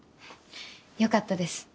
よかったです。